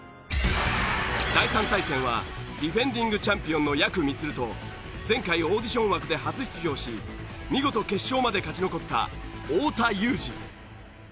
第３対戦はディフェンディングチャンピオンのやくみつると前回オーディション枠で初出場し見事決勝まで勝ち残った太田裕二。